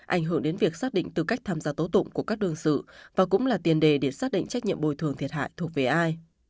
ảnh hưởng đến việc xác định tư cách tham gia tố tụng của các đương sự và cũng là tiền đề để xác định trách nhiệm bồi thường thiệt hại thuộc về ai